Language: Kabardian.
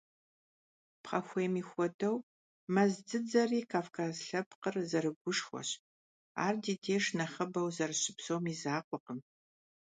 Пхъэхуейми хуэдэу, мэз дзыдзэри Кавказ лъэпкъыр зэрыгушхуэщ, ар ди деж нэхъыбэу зэрыщыпсэум и закъуэкъым.